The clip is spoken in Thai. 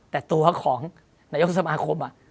แต่ตัวของนายกสมาคม